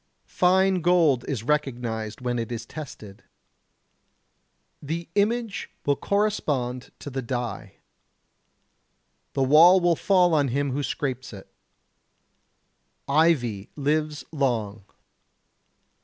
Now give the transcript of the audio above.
Fine gold is recognized when it is tested. The image will correspond to the die. The wall will fall on him who scrapes it. Ivy lives long.